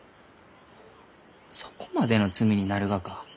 そこまでの罪になるがか？